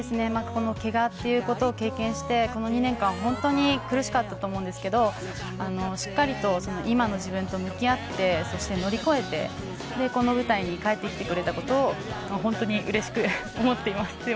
けがを経験してこの２年間本当に苦しかったと思うんですがしっかりと今の自分と向き合ってそして乗り越えてこの舞台に帰ってきてくれたことを本当にうれしく思っています。